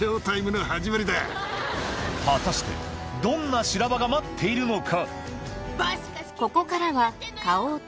果たしてどんな修羅場が待っているのか？